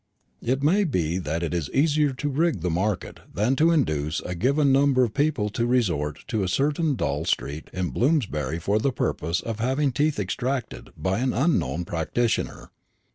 It may be that it is easier to rig the market than to induce a given number of people to resort to a certain dull street in Bloomsbury for the purpose of having teeth extracted by an unknown practitioner.